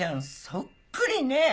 そっくりね。